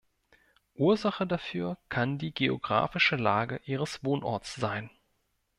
Ursache dafür kann die geografische Lage ihres Wohnorts sein.